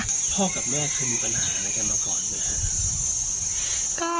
พ่อกับแม่คือมีปัญหาอะไรกันมาก่อนหรืออ่ะค่ะ